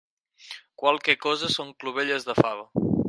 Qualque cosa són clovelles de fava.